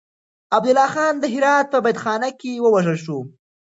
عبدالله خان د هرات په بنديخانه کې ووژل شو.